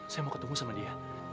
saya mau ketemu sama dia